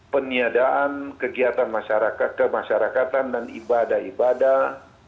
peniadaan kegiatan masyarakat kemasyarakatan dan ibadah ibadah